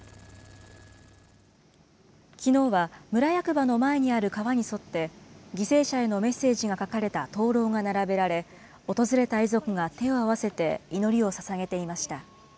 きのうは村役場の前にある川に沿って、犠牲者へのメッセージが書かれた灯籠が並べられ、訪れた遺族が手を合わせて祈りをささげていました。